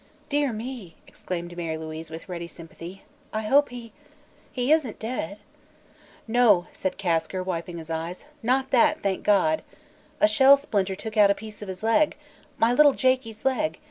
"Dear me!" exclaimed Mary Louise, with ready sympathy; "I hope he he isn't dead?" "No," said Kasker, wiping his eyes, "not that, thank God. A shell splinter took out a piece of his leg my little Jakie's leg!